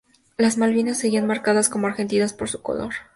Las Malvinas seguían marcadas como argentinas por su color.